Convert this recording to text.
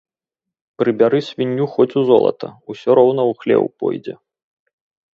Прыбяры свінню хоць у золата ‒ усё роўна ў хлеў пойдзе